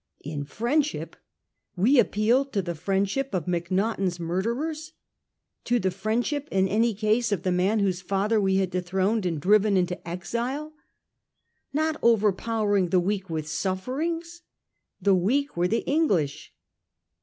In friendship !— we appealed to the friendship of Macnaghten's murderers; to the friendship, in any case, of the man whose father we had dethroned and driven into exile. Not overpowering the weak with sufferings ! The weak were the Eng lish